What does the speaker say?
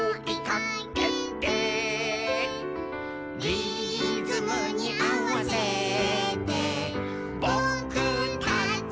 「リズムにあわせてぼくたちも」